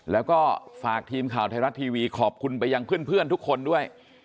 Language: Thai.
แล้วก็ฝากทีมข่าวไทยรัฐทีวีขอบคุณไปยังเพื่อนทุกคนด้วย